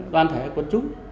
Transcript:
đoàn thể của chúng